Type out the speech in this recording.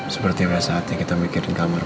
seperti biasa hati kita mikirin kamar buat rina